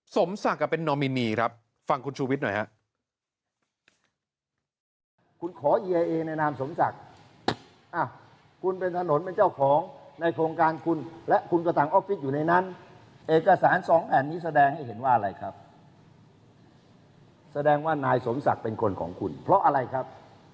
สมศักดิ์เป็นนมินนีครับฟังคุณชูวิตหน่อยครับ